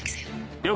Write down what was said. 了解！